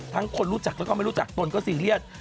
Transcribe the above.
คนรู้จักแล้วก็ไม่รู้จักตนก็ซีเรียส